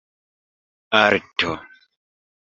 arto